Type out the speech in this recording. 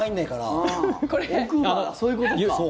そういうことか。